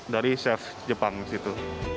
dari chef jepang disitu